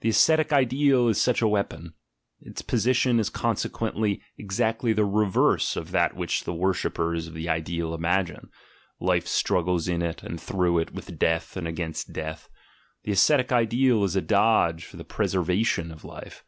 The ascetic ideal is such a weapon: its position is consequently exactly the reverse of that which the worshippers of the ideal imagine — life struggles in it and through it with death and against death; the ascetic ideal is a dodge for the preservation of life.